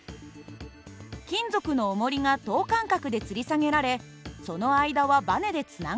金属のおもりが等間隔でつり下げられその間はバネでつながっています。